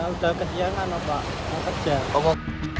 udah kejangan pak mau kerja